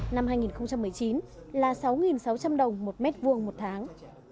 năm hai nghìn một mươi chín là sáu sáu trăm linh đồng một mét vuông một tháng